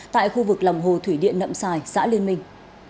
tại khu vực lòng hồ thủy điện nậm sài xã liên minh